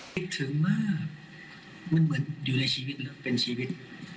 คิดถึงมากมันเหมือนอยู่ในชีวิตนะครับเป็นชีวิต